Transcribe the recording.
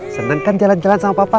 senang kan jalan jalan sama papa